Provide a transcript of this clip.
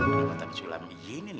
kenapa tadi sulam begini nih